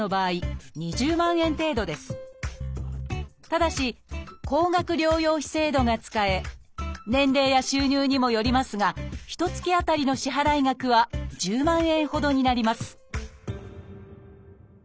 ただし高額療養費制度が使え年齢や収入にもよりますがひとつき当たりの支払い額は１０万円ほどになります